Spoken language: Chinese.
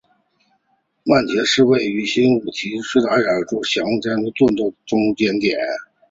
曼彻斯特位于辛辛那提与西弗吉尼亚州亨廷顿的中间点。